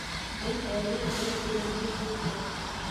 — Беҙ әле бер үлемде күрҙек.